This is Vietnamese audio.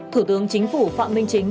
thủ tướng chính phủ phạm minh chính